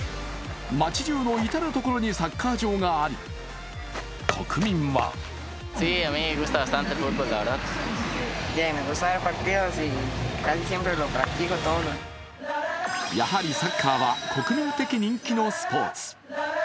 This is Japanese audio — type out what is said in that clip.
町じゅうの至る所にサッカー場があり、国民はやはりサッカーは、国民的人気のスポーツ。